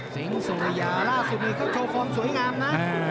สิงห์สุริยาล่าสุดนี้เขาโชว์ฟอร์มสวยงามนะ